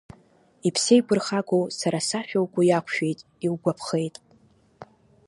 Иԥсеиқәырхагоу сара сашәа угәы иақәшәеит, иугәаԥхеит.